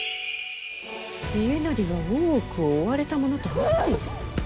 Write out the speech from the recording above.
家斉が大奥を追われた者と会っている？